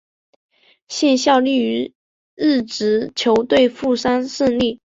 现效力于日职球队富山胜利。